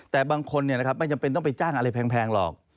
แต่บางคนเนี่ยนะครับไม่จำเป็นต้องไปจ้างอะไรแพงหรอก